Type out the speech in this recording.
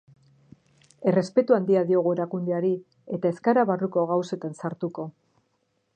Errespetu handia diogu erakundeari, eta ez gara barruko gauzetan sartuko.